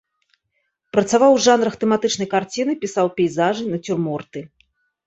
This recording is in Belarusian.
Працаваў у жанрах тэматычнай карціны, пісаў пейзажы, нацюрморты.